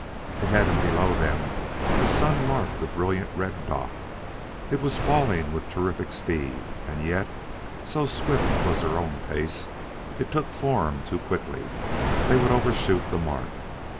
Ahead and below them the sun marked a brilliant red dot. It was falling with terrific speed, and yet, so swift was their own pace, it took form too quickly: they would overshoot the mark....